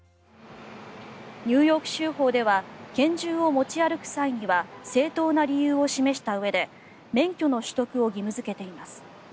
ニューヨーク州法では拳銃を持ち歩く際には正当な理由を示したうえで免許の取得を義務付けています。